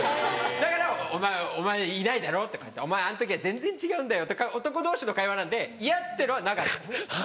だから「お前いないだろ？お前あの時は全然違うんだよ」とか男同士の会話なんで嫌っていうのはなかったですね。